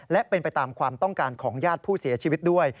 และเป็นไปตามความต้องการของญาติผู้เสียชีวิตด้วย